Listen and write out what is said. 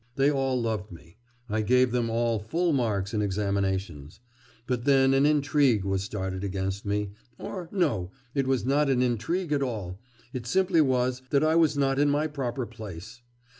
They all loved me; I gave them all full marks in examinations. But then an intrigue was started against me or no! it was not an intrigue at all; it simply was, that I was not in my proper place.